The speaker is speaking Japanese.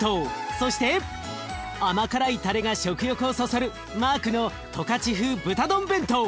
そして甘辛いたれが食欲をそそるマークの十勝風豚丼弁当。